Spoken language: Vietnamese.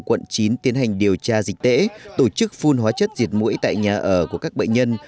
quận chín tiến hành điều tra dịch tễ tổ chức phun hóa chất diệt mũi tại nhà ở của các bệnh nhân